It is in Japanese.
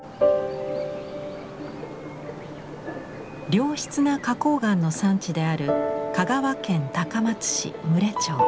良質な花こう岩の産地である香川県高松市牟礼町。